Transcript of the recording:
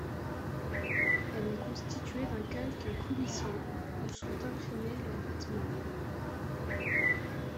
Elle est constituée d'un calque coulissant, où sont imprimés leurs vêtements.